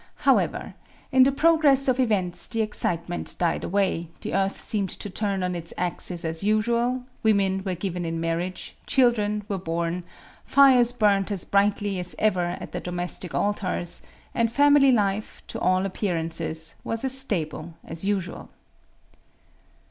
However, in the progress of events the excitement died away, the earth seemed to turn on its axis as usual, women were given in marriage, children were born, fires burned as brightly as ever at the domestic altars, and family life, to all appearances, was as stable as usual.